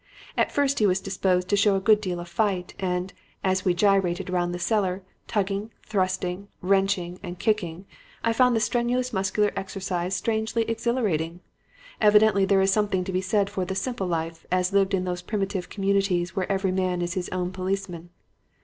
At first he was disposed to show a good deal of fight, and, as we gyrated round the cellar, tugging, thrusting, wrenching and kicking, I found the strenuous muscular exercise strangely exhilarating. Evidently there is something to be said for the 'simple life,' as lived in those primitive communities where every man is his own policeman.